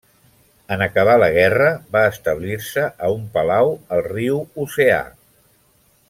En acabar la guerra va establir-se a un palau al riu Oceà.